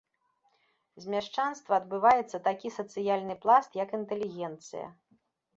З мяшчанства адбываецца такі сацыяльны пласт як інтэлігенцыя.